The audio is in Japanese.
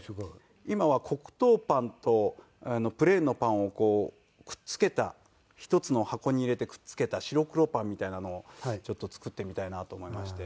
今は黒糖パンとプレーンのパンをこうくっつけた一つの箱に入れてくっつけた白黒パンみたいなのをちょっと作ってみたいなと思いまして。